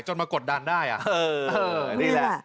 มากดดันได้นี่แหละ